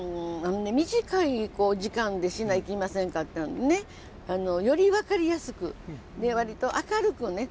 短い時間でしないきませんかったんでねより分かりやすくで割と明るくね。